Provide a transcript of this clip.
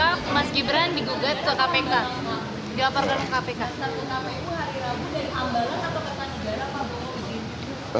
pertama tama hari rabu dari ambala sampai ke ketua mk pak prabowo di gini